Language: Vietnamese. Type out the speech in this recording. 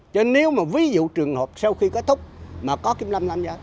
chứ nếu mà ví dụ trường hợp sau khi kết thúc mà có kiểm lâm nắm bét